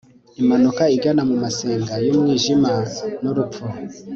imanuka igana mu masenga y'umwijima n'urupfu